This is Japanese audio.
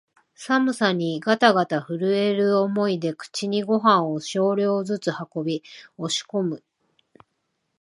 寒さにがたがた震える思いで口にごはんを少量ずつ運び、押し込み、